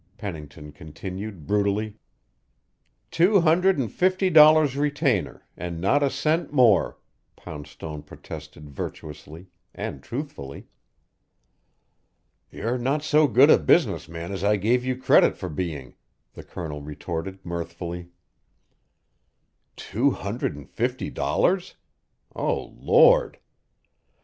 Pennington continued brutally. "Two hundred and fifty dollars retainer, and not a cent more," Poundstone protested virtuously and truthfully. "You're not so good a business man as I gave you credit for being," the Colonel retorted mirthfully "Two hundred and fifty dollars! Oh, Lord!